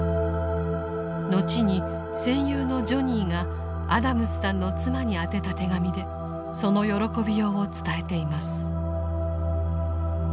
後に戦友のジョニーがアダムスさんの妻に宛てた手紙でその喜びようを伝えています。